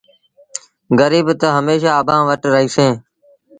گريٚب تا هميشآ اڀآنٚ وٽ رهيٚسينٚ